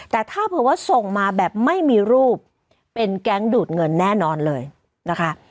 แต่ถ้าเผื่อว่าส่งมาแบบไม่มีรูปเป็นแก๊งดูดเงินแน่นอนเลยนะคะ